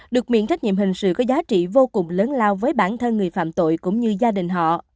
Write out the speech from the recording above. được miễn trách nhiệm hình sự có giá trị vô cùng lớn lao với bản thân người phạm tội cũng như gia đình họ